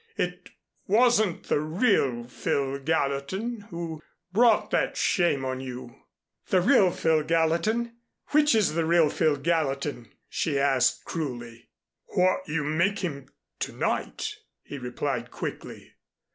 It wasn't the real Phil Gallatin who brought that shame on you." "The real Phil Gallatin! Which is the real Phil Gallatin?" she asked cruelly. "What you make him to night," he replied quickly.